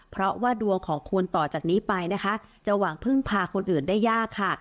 เพราะว่าดวงของคุณต่อจากนี้ไปนะคะจะหวังพึ่งพาคนอื่นได้ยากค่ะ